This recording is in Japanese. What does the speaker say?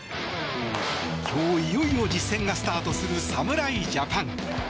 今日、いよいよ実戦がスタートする侍ジャパン。